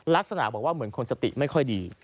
ลักษณะบอกว่าเหมือนคนสติไม่ค่อยดี